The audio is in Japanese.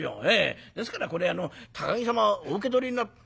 ですからこれ高木様お受け取りに」。